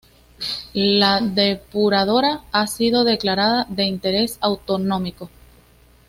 La depuradora ha sido declarada de interés autonómico